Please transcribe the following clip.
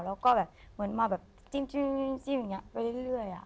แล้วก็แบบเหมือนมาแบบจิ้มอย่างนี้ไปเรื่อย